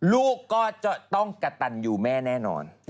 ลูกก็จะต้องกระตันยูแม่แน่นอน